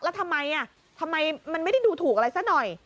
แล้วทำไมทำไมมันไม่ได้ดูถูกอะไรซะหน่อย